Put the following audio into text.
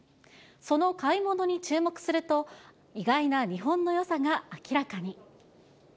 その買い物に注目すると、意外な日本のよさが明らかに。